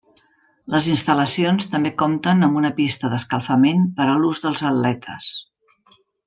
Les instal·lacions també compten amb una pista d'escalfament per a l'ús dels atletes.